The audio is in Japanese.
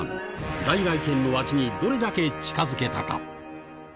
来々軒の味にどれだけ近づけたか。